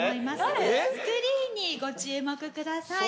スクリーンにご注目ください。